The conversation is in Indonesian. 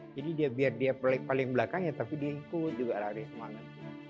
jadi dia biar dia paling belakangnya tapi dia ikut juga lari semangat